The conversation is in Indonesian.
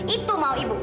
itu mau ibu